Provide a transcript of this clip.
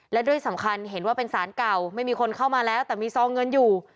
และด้วยสำคัญเห็นว่าเป็นสารเก่าไม่มีคนเข้ามาแล้วแต่มีซองเงินอยู่